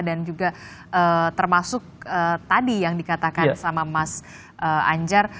dan juga termasuk tadi yang dikatakan sama mas anjar